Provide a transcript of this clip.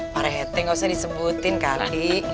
pak rt gak usah disebutin kali